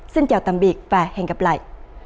xin chào tạm biệt và hẹn gặp lại